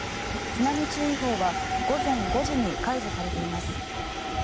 津波注意報は午前５時に解除されています。